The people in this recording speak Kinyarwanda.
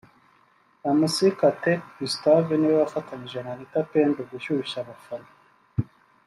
Mc Kate Gustave niwe wafatanyije na Anita Pendo gushyushya abafana